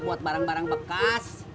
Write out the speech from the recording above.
buat barang barang bekas